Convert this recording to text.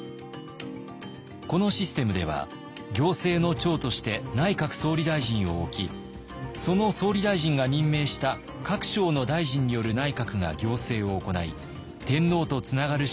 このシステムでは行政の長として内閣総理大臣を置きその総理大臣が任命した各省の大臣による内閣が行政を行い天皇とつながる仕組みになっていました。